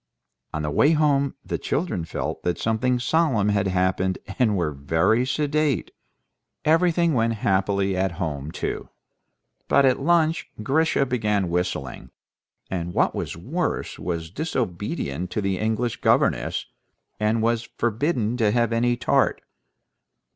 On the way home the children felt that something solemn had happened, and were very sedate. Everything went happily at home too; but at lunch Grisha began whistling, and, what was worse, was disobedient to the English governess, and was forbidden to have any tart.